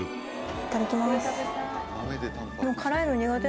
いただきます。